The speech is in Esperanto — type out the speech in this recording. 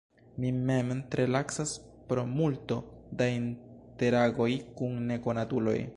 Mi mem tre lacas pro multo da interagoj kun nekonatuloj.